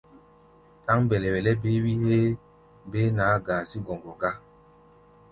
Ɗáŋ mbɛlɛ-wɛlɛ béé-wí héé béé naá-gaazígɔŋgɔ gá.